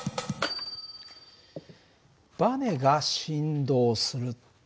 バネが振動する。